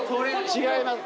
違います。